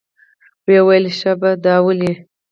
ويې ويل شابه دا واله.